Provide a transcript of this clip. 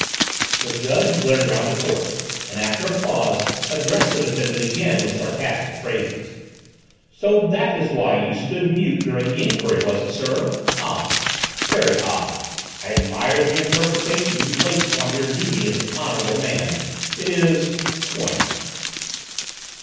The judge glared round the court, and after a pause addressed the defendant again with sarcastic phrases. "So that is why you stood mute during the enquiry, was it, sir? Odd! very odd! I admire the interpretation you place upon your duty as an honourable man. It is quaint!"